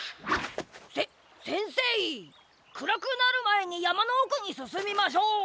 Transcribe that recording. せせんせいくらくなるまえにやまのおくにすすみましょう。